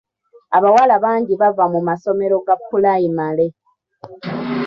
Abawala bangi bava mu masomero ga pulayimale.